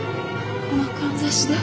このかんざしで。